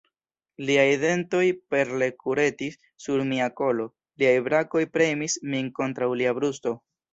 Liaj dentoj perle kuretis sur mia kolo, liaj brakoj premis min kontraŭ lia brusto.